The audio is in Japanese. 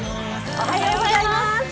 おはようございます。